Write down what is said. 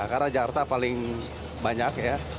karena jakarta paling banyak ya